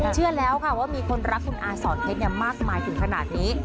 เชื่อแล้วค่ะว่ามีคนรักคุณอาสอนเพชรมากมายถึงขนาดนี้